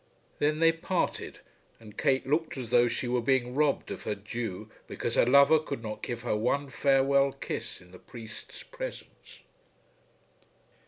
Then they parted, and Kate looked as though she were being robbed of her due because her lover could not give her one farewell kiss in the priest's presence.